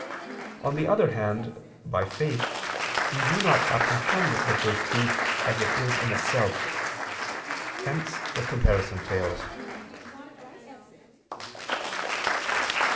On the other hand, by faith, we do not apprehend the First Truth as it is in itself. Hence the comparison fails.